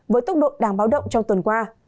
với tốc độ đang báo động trong tuần qua